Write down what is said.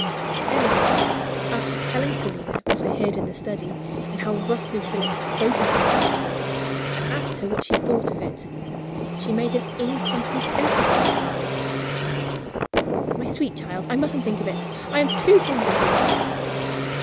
Then again, after telling Selina what I heard in the study, and how roughly Philip had spoken to me afterward, I asked her what she thought of it. She made an incomprehensible reply: "My sweet child, I mustn't think of it I am too fond of you."